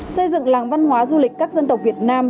xây dựng làng văn hóa du lịch các dân tộc việt nam